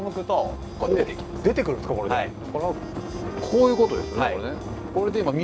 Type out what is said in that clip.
こういうことですよね？